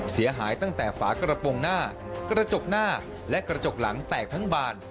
เสียหายตั้งแต่ฝากระโปรงหน้ากระจกหน้าและกระจกหลังแตกทั้งบาน